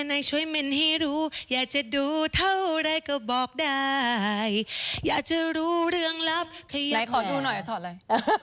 นายขอดูหน่อยค่ะถอดอะไร